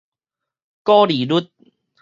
股利率